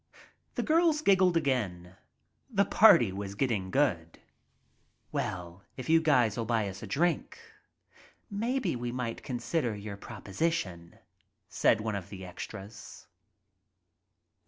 The girls giggled again. The party was getting good. . 64 WHISKEY FUMES "Well, if you guys'll buy us a drink, maybe we might consider your proposition," said one of the CXTlclS.